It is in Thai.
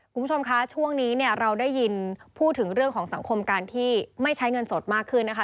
คุณผู้ชมคะช่วงนี้เนี่ยเราได้ยินพูดถึงเรื่องของสังคมการที่ไม่ใช้เงินสดมากขึ้นนะคะ